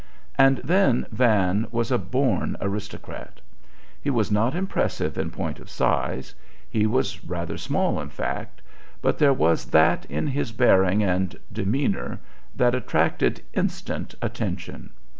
And then Van was a born aristocrat. He was not impressive in point of size; he was rather small, in fact; but there was that in his bearing and demeanor that attracted instant attention.